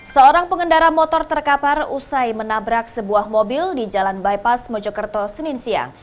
seorang pengendara motor terkapar usai menabrak sebuah mobil di jalan bypass mojokerto senin siang